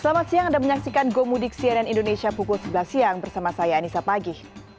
selamat siang anda menyaksikan gomudik cnn indonesia pukul sebelas siang bersama saya anissa pagih